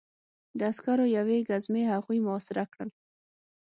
د عسکرو یوې ګزمې هغوی محاصره کړل